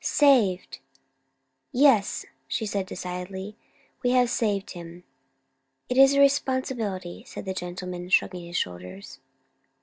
"Saved! " "Yes!" she said decidedly, "we have saved him." "It's a responsibility," said the gentleman, shrugging his shoulders.